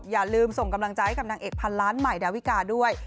อย่าลืมส่งกำลังใจให้กับนางเอกพันล้านใหม่ดาวิกาด้วย